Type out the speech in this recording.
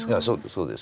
そうですよ。